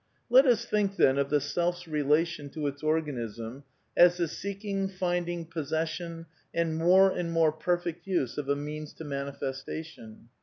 Let us think, then, of the self's relation to its organism as the seeking, finding, possession, and more and more per fect use of a means to manifestation.